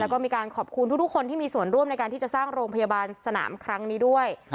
ก็มีการขอบคุณทุกคนที่ส่งออกโรงพยาบาลสนามคลั้งนี้ด้วย